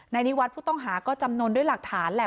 นิวัฒน์ผู้ต้องหาก็จำนวนด้วยหลักฐานแหละ